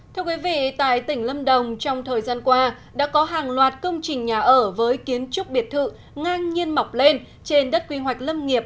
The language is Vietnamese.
thưa quý vị tại tỉnh lâm đồng trong thời gian qua đã có hàng loạt công trình nhà ở với kiến trúc biệt thự ngang nhiên mọc lên trên đất quy hoạch lâm nghiệp